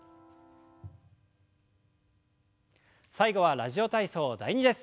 最後は「ラジオ体操第２」です。